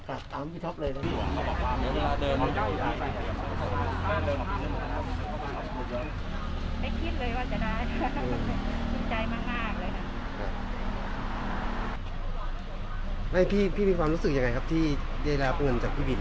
อ๋อกันเพราะว่าไม่ไม่ไม่ไม่คิดว่าจะมีคนเข้ามาอย่าง